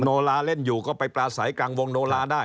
โนลาเล่นอยู่ก็ไปปลาใสกลางวงโนลาได้